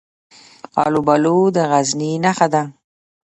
الوبالو د غزني نښه ده.